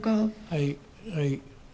はいはい。